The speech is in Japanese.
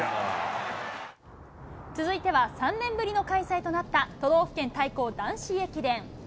続いては３年ぶりの開催となった、都道府県対抗男子駅伝。